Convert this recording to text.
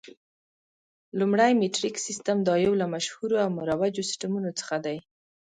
لومړی میټریک سیسټم، دا یو له مشهورو او مروجو سیسټمونو څخه دی.